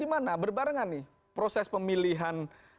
di mana berbarengan nih proses pemilihan